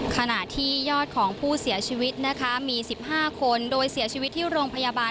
ขณะที่ยอดของผู้เสียชีวิตนะคะมี๑๕คนโดยเสียชีวิตที่โรงพยาบาล